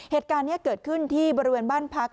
เหตุการณ์นี้เกิดขึ้นที่บริเวณบ้านพัก